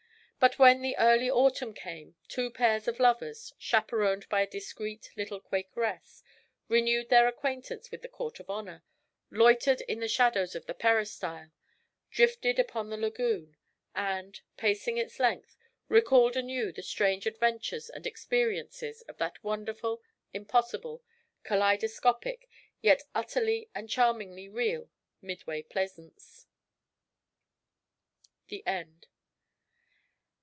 But when the early autumn came, two pairs of lovers, chaperoned by a discreet little Quakeress, renewed their acquaintance with the Court of Honour, loitered in the shadows of the Peristyle, drifted upon the Lagoon, and, pacing its length, recalled anew the strange adventures and experiences of that wonderful, impossible, kaleidoscopic, yet utterly and charmingly real Midway Plaisance. THE END.